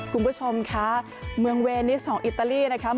คุณผู้ชมคะเมืองเวนิสของอิตาลีนะคะ